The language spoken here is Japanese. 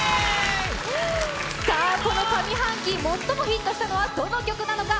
さあ、この上半期、最もヒットしたのはどの曲なのか。